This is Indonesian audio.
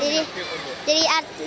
kalau kamu apa kenapa minat teh kondo